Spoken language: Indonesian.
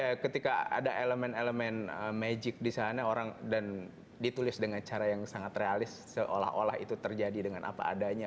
karena ketika ada elemen elemen magic di sana orang dan ditulis dengan cara yang sangat realis seolah olah itu terjadi dengan apa adanya